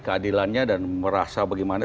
keadilannya dan merasa bagaimana